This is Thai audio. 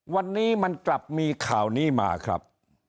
วันนี้มันกลับมีข่าวนี้มาครับ